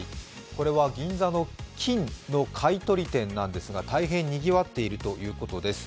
これは銀座の金の買取店なんですが、大変にぎわっているということです。